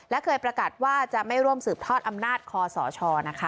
และเคยประกาศว่าจะไม่ร่วมสืบทอดอำนาจคอสชนะคะ